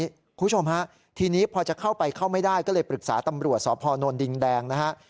คุณผู้ชมฮะทีนี้พอจะเข้าไปเข้าไม่ได้ก็เลยปรึกษาตำรวจสพนดินแดงนะฮะ